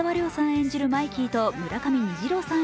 演じるマイキーと村上虹郎さん